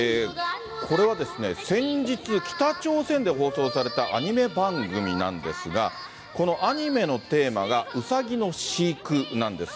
これは、先日、北朝鮮で放送されたアニメ番組なんですが、このアニメのテーマが、うさぎの飼育なんです。